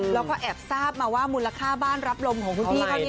และค่ะแอบซาบมาว่ามูลค่าบ้านรับโลมของพี่พี่เค้านี้นะ